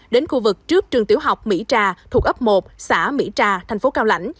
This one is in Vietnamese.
đến khu vực trước trường tiểu học mỹ trà thuộc ấp một xã mỹ trà thành phố cao lãnh